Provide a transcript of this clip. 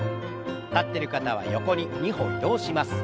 立ってる方は横に２歩移動します。